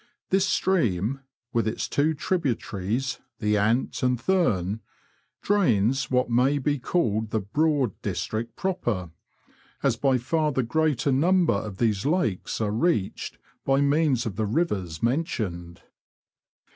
This stream, with its two tributaries, the Ant and Thurn, drains what may be ■called the Broad " district proper, as by far the greater number of these lakes are reached by means of the rivers mentioned.